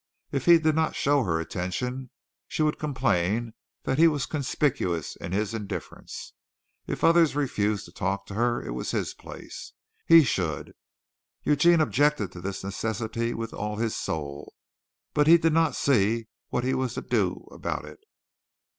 If he did not show her attention, she would complain that he was conspicuous in his indifference. If others refused to talk to her, it was his place. He should. Eugene objected to this necessity with all his soul, but he did not see what he was to do about it.